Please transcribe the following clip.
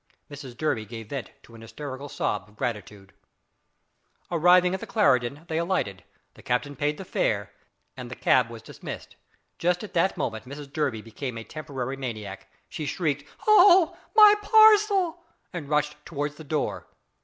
Mrs Durby gave vent to a hysterical sob of gratitude. Arrived at the Clarendon they alighted, the captain paid the fare, and the cab was dismissed. Just at that moment Mrs Durby became a temporary maniac. She shrieked, "Oh! my parcel!" and rushed towards the door.